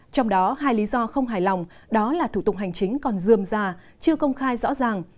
trong đó hai lý do không hài lòng đó là thủ tục hành chính còn dườm già chưa công khai rõ ràng